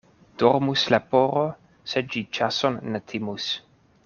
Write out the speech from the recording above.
Dormus leporo, se ĝi ĉason ne timus.